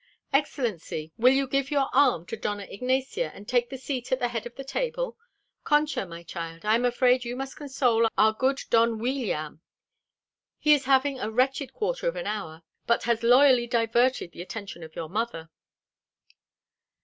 Excellency, will you give your arm to Dona Ignacia and take the seat at the head of the table? Concha, my child, I am afraid you must console our good Don Weeliam. He is having a wretched quarter of an hour, but has loyally diverted the attention of your mother."